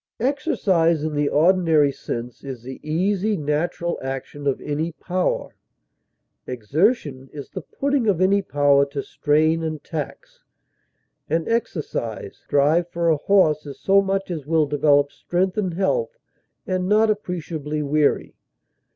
Exercise, in the ordinary sense, is the easy natural action of any power; exertion is the putting of any power to strain and tax. An exercise drive for a horse is so much as will develop strength and health and not appreciably weary.